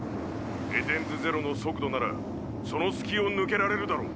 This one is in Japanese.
エデンズゼロの速度ならその隙を抜けられるだろう。